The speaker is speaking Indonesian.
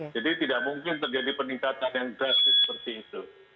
jadi tidak mungkin terjadi peningkatan yang drastis seperti itu